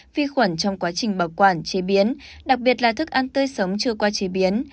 vi khuẩn trong quá trình bảo quản chế biến đặc biệt là thức ăn tươi sống chưa qua chế biến